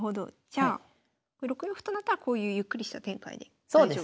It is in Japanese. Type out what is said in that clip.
じゃあ６四歩となったらこういうゆっくりした展開で大丈夫と。